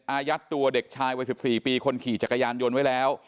อายัดตัวเด็กชายวัย๑๔ปีคนขี่จักรยานยนต์ไว้แล้ว